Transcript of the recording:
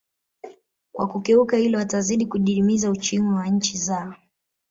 Kwa kukeuka hilo watazidi kudidimiza uchumi wa nchi zao